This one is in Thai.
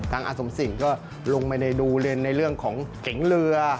ทางอสมศิลป์ก็ลงมาดูเรื่องของเก่งเรือ